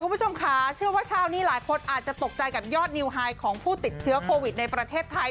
คุณผู้ชมค่ะเชื่อว่าเช้านี้หลายคนอาจจะตกใจกับยอดนิวไฮของผู้ติดเชื้อโควิดในประเทศไทย